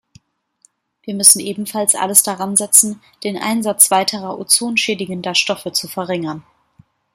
Wir müssen ebenfalls alles daransetzen, den Einsatz weiterer ozonschädigender Stoffe zu verringern.